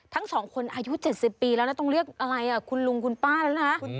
ทั้งสองคนอายุ๗๐ปีแล้วนะต้องเรียกอะไรคุณลุงคุณป้าแล้วนะ